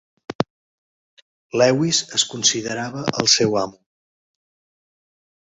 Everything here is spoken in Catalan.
Lewis es considerava el seu amo.